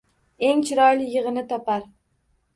Eng chiroyli yigʼini topar.